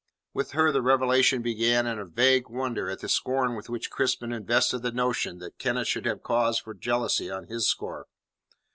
With her the revelation began in a vague wonder at the scorn with which Crispin invested the notion that Kenneth should have cause for jealousy on his score.